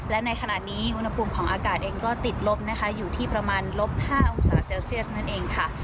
และในขณะนี้อุณหภูมิของอากาศเองก็ติดลบนะคะอยู่ที่ประมาณลบ๕องศาเซลเซียสนั่นเองค่ะ